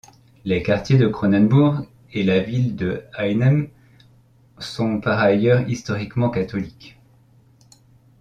Les quartiers de Cronenbourg et la ville de Hœnheim sont par ailleurs historiquement catholiques.